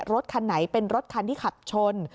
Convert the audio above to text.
รถคันไหนเป็นรถคันที่ขับชน